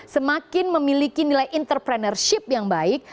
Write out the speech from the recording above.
semakin memiliki nilai entrepreneurship yang baik